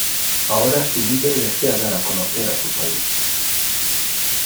Ahora su líder desea dar a conocer a su país.